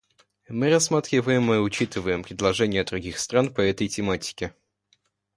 Мы рассматриваем и учитываем предложения других стран по этой тематике.